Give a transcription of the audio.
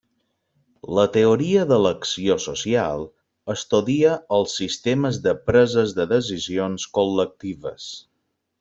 La Teoria d'elecció social estudia els sistemes de preses de decisions col·lectives.